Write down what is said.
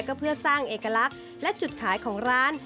ก็เพื่อสร้างเอกลักษณ์และจุดขายของร้าน